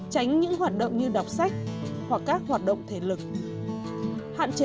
tránh những hoạt động như đọc sách hoặc các hoạt động thể lực